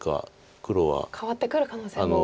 変わってくる可能性もありますか？